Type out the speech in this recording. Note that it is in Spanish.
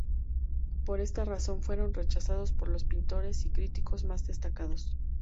Por esta razón, fueron rechazados por los pintores y críticos más destacados.